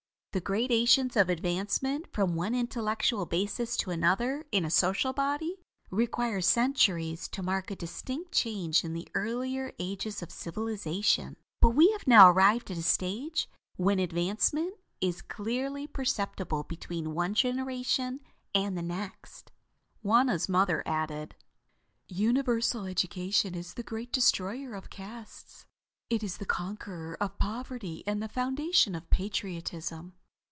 The gradations of advancement from one intellectual basis to another, in a social body, requires centuries to mark a distinct change in the earlier ages of civilization, but we have now arrived at a stage when advancement is clearly perceptible between one generation and the next." Wauna's mother added: "Universal education is the great destroyer of castes. It is the conqueror of poverty and the foundation of patriotism.